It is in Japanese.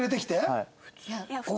はい。